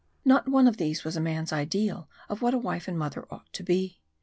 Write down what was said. Not one of these was a man's ideal of what a wife and mother ought to be.